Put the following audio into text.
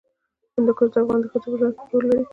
هندوکش د افغان ښځو په ژوند کې رول لري.